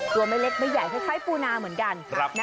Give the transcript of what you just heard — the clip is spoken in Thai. ตัวไม่เล็กไม่ใหญ่คล้ายปูนาเหมือนกัน